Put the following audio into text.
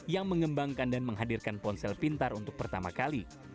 yang mengembangkan dan menghadirkan ponsel pintar untuk pertama kali